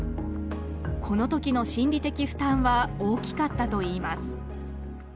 この時の心理的負担は大きかったといいます。